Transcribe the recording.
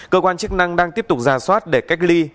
cơ quan chức năng đang tiếp tục ra soát để cách ly